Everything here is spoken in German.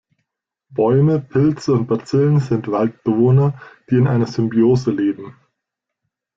Bäume, Pilze und Bazillen sind Waldbewohner, die in einer Symbiose leben.